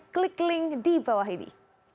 klik link di bawah ini